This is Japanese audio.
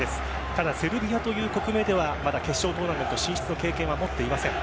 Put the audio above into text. ただ、セルビアという国名ではまだ決勝トーナメント進出の経験は持っていません。